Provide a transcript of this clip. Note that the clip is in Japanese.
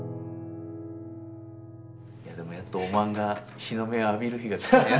いやでもやっとおまんが日の目を浴びる日が来たんや。